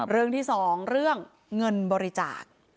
เรื่องที่๒เรื่องเงินบริจาค